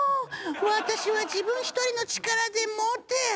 私は自分一人の力で持て。